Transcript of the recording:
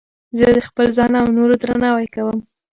زه د خپل ځان او نورو درناوی کوم.